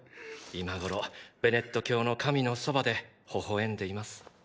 今頃ベネット教の神のそばで微笑んでます。